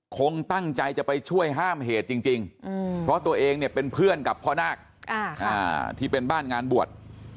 คงตั้งใจจะไปช่วยห้ามเหตุจริงเพราะตัวเองเนี่ยเป็นเพื่อนกับพ่อนาคที่เป็นบ้านงานบวช